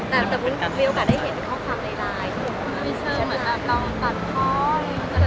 แต่วุ้นมีโอกาสให้เห็นเข้าคำในราย